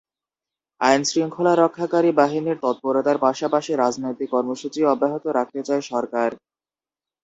আইনশৃঙ্খলা রক্ষাকারী বাহিনীর তৎপরতার পাশাপাশি রাজনৈতিক কর্মসূচিও অব্যাহত রাখতে চায় সরকার।